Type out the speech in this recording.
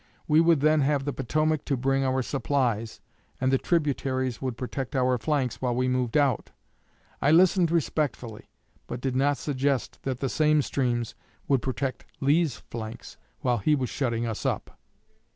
We would then have the Potomac to bring our supplies, and the tributaries would protect our flanks while we moved out. I listened respectfully, but did not suggest that the same streams would protect Lee's flanks while he was shutting us up."